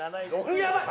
やばい！